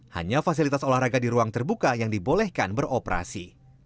hanya fasilitas olahraga di ruang terbuka yang dibolehkan beroperasi